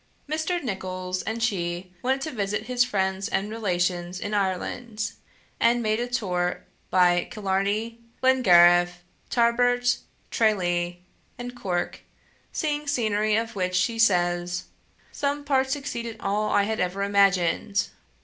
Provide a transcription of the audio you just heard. Mr. Nicholls and she went to visit his friends and relations in Ireland; and made a tour by Killarney, Glengariff, Tarbert, Tralee, and Cork, seeing scenery, of which she says, "some parts exceeded all I had ever imagined."